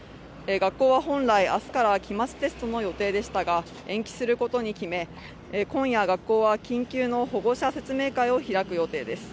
学校は本来明日から期末テストの予定でしたが延期することに決め今夜、学校は緊急の保護者説明会を開く予定です。